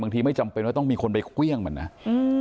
ทีไม่จำเป็นว่าต้องมีคนไปเครื่องมันนะอืม